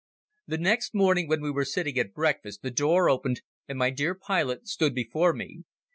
The next morning when we were sitting at breakfast the door opened and my dear pilot stood before me.